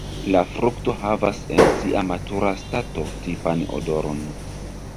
La frukto havas en sia matura stato tipan odoron.